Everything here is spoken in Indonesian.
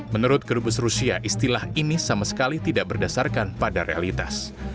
menurut kedubes rusia istilah ini sama sekali tidak berdasarkan pada realitas